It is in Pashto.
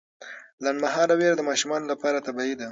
لنډمهاله ویره د ماشومانو لپاره طبیعي ده.